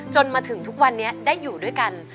จนถึงทุกวันนี้ได้อยู่ด้วยกัน